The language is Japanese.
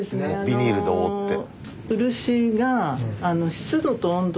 ビニールで覆って。